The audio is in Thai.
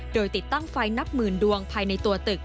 โดยติดตั้งไฟนับหมื่นดวงภายในตัวตึก